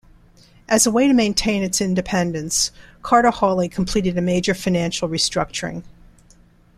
As a way to maintain its independence, Carter Hawley completed a major financial restructuring.